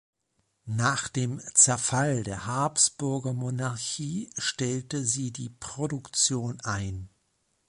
Nach dem Zerfall der Habsburgermonarchie stellte sie die Produktion ein.